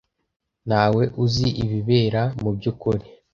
Ntawe uzi ibibera mubyukuri.